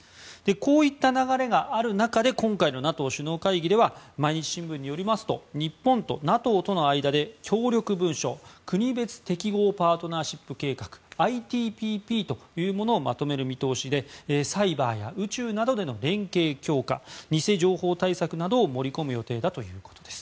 こういった流れがある中で今回のＮＡＴＯ首脳会議では毎日新聞によりますと日本とＮＡＴＯとの間で協力文書国別適合パートナーシップ計画・ＩＴＰＰというものをまとめる見通しでサイバーや宇宙などでの連携強化偽情報対策などを盛り込む予定だということです。